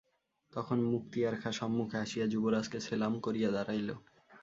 তখন মুক্তিয়ার খাঁ সম্মুখে আসিয়া যুবরাজকে সেলাম করিয়া দাঁড়াইল।